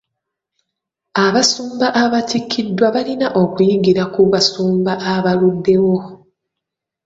Abasumba abatikkiddwa balina okuyigira ku basumba abaluddewo.